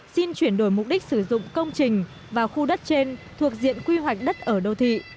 xin chuyển đổi mục đích sử dụng công trình vào khu đất trên thuộc diện quy hoạch đất ở đô thị